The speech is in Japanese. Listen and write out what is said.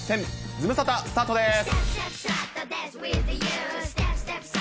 ズムサタ、スタートです。